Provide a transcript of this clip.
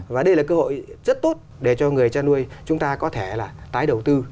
và đây là cơ hội rất tốt để cho người chăn nuôi chúng ta có thể là tái đầu tư